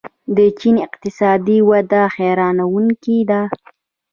د چین اقتصادي وده حیرانوونکې ده.